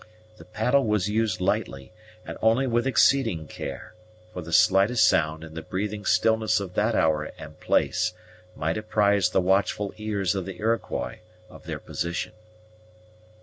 The paddle was used lightly, and only with exceeding care; for the slightest sound in the breathing stillness of that hour and place might apprise the watchful ears of the Iroquois of their position.